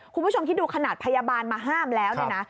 คุณผู้ชมที่ดูขนาดพยาบาลมาห้ามแล้วนะ